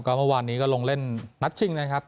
เมื่อวานนี้ก็ลงเล่นนัดชิงนะครับ